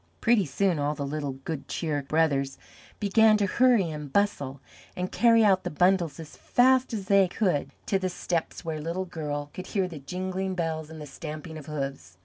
Pretty soon all the little Good Cheer Brothers began to hurry and bustle and carry out the bundles as fast as they could to the steps where Little Girl could hear the jingling bells and the stamping of hoofs.